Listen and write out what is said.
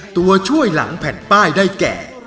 ตัวช่วยหลังแผ่นป้ายได้แก่